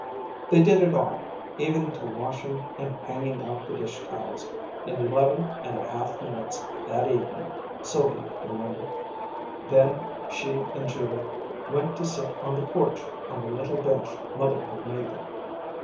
They did it all, even to washing and hanging out the dish towels, in eleven and a half minutes that evening, Sylvia remembered. Then she and Judith went to sit on the porch on the little bench Mother had made them.